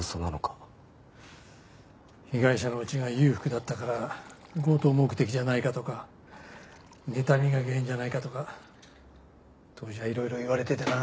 被害者の家が裕福だったから強盗目的じゃないかとかねたみが原因じゃないかとか当時はいろいろ言われてたよな。